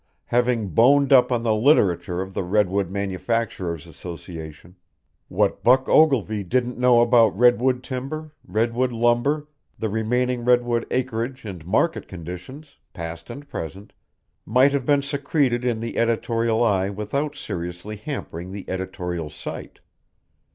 Having boned up on the literature of the Redwood Manufacturers' Association, what Buck Ogilvy didn't know about redwood timber, redwood lumber, the remaining redwood acreage and market conditions, past and present, might have been secreted in the editorial eye without seriously hampering the editorial sight.